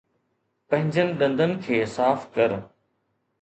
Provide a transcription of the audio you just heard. پنھنجن ڏندن کي صاف ڪر